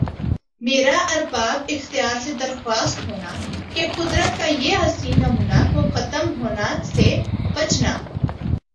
میرا ارباب اختیار سے درخواست ہونا کہ قدرت کا یِہ حسین نمونہ کو ختم ہونا سے بچنا